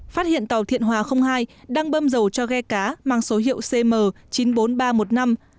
phát hiện tàu thiện hòa hai đang bơm dầu cho ghe cá mang số hiệu cm chín mươi bốn nghìn ba trăm một mươi năm